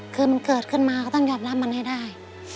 คือมันเกิดขึ้นมาก็ต้องยอมรับมันให้ได้